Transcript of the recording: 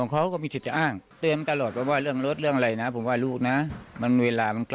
ผมใจกว้างผมไม่ว่าหรอก